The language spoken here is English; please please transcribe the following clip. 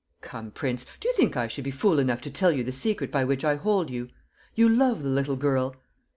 "Come, prince, do you think I should be fool enough to tell you the secret by which I hold you? You love the little girl